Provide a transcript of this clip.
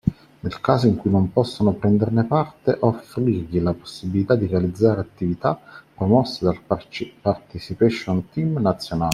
Nel caso in cui non possano prenderne parte, offrirgli la possibilità di realizzare attività promosse dal participation team nazionale.